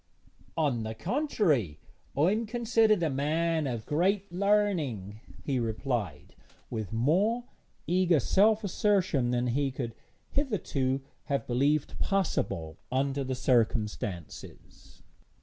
'On the contrary, I am considered a man of great learning,' he replied, with more eager self assertion than he could hitherto have believed possible under the circumstances.